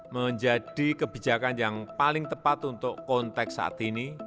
menjadi kebijakan yang paling tepat untuk konteks saat ini